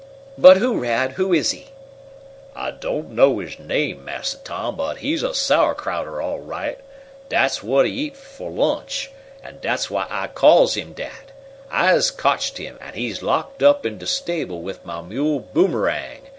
"But who, Rad? Who is he?" "I don't know his name, Massa Tom, but he's a Sauerkrauter, all right. Dat's whut he eats for lunch, an' dat's why I calls him dat. I's cotched him, an' he's locked up in de stable wif mah mule Boomerang.